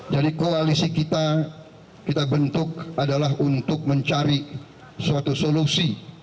jadi koalisi kita kita bentuk adalah untuk mencari suatu solusi